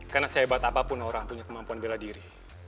karena sehebat apapun orang punya kemampuan bela diri